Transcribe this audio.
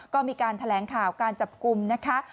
ก็มีการแถลงข่าวการจับกลุ่มนะคะ